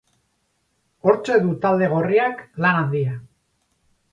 Hortxe du talde gorriak lan handia.